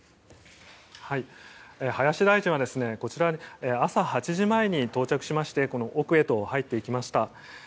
林大臣はこちら、朝８時前に到着しましてこの奥へと入っていきました。